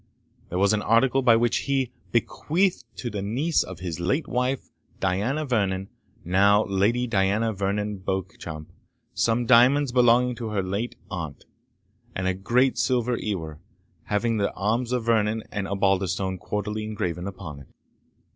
There was an article, by which he, bequeathed to the niece of his late wife, Diana Vernon, now Lady Diana Vernon Beauchamp, some diamonds belonging to her late aunt, and a great silver ewer, having the arms of Vernon and Osbaldistone quarterly engraven upon it.